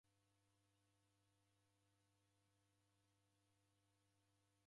Nachi uo mwana olema fundo!